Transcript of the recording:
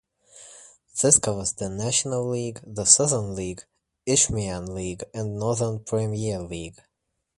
This covers the National League, the Southern League, Isthmian League, and Northern Premier League.